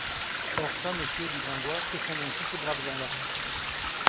Or çà, monsieur, dit Gringoire, que font donc tous ces braves gens-là?